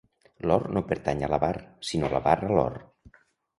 L'or no pertany a l'avar, sinó l'avar a l'or.